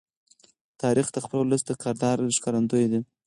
تاریخ د خپل ولس د کردار ښکارندوی دی.